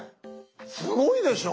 すごいでしょ。